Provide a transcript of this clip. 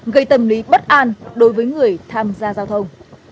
gây tâm lý bất an đối với người tham gia giao thông